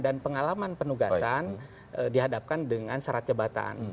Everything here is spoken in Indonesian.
dan pengalaman penugasan dihadapkan dengan syarat jebatan